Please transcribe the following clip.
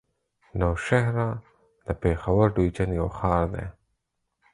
نوشهره د پېښور ډويژن يو ښار دی.